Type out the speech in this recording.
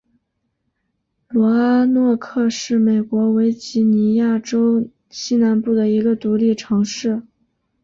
罗阿诺克是美国维吉尼亚州西南部的一个独立城市。